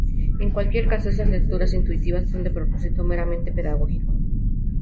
En cualquier caso, estas lecturas intuitivas son de propósito meramente pedagógico.